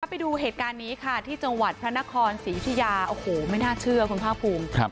ไปดูเหตุการณ์นี้ค่ะที่จังหวัดพระนครศรียุธิยาโอ้โหไม่น่าเชื่อคุณภาคภูมิ